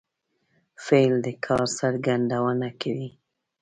فعل د کار څرګندونه کوي.